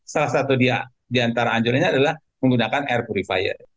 salah satu di antara anjurannya adalah menggunakan air purifier